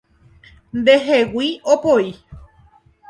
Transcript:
Ndehegui opoi